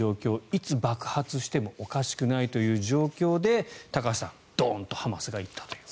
いつ爆発してもおかしくないという状況で高橋さんドンとハマスが行ったと。